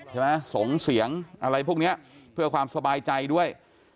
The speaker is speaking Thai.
ส่งเสียงอะไรพวกนี้เพื่อความสบายใจด้วย